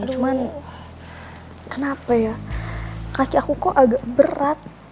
cuman kenapa ya kaki aku kok agak berat